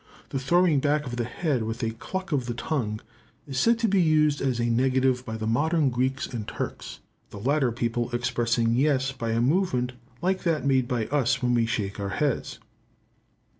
The throwing back of the head with a cluck of the tongue is said to be used as a negative by the modern Greeks and Turks, the latter people expressing yes by a movement like that made by us when we shake our heads.